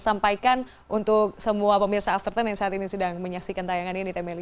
sampaikan untuk semua pemirsa after sepuluh yang saat ini sedang menyaksikan tayangan ini teh meli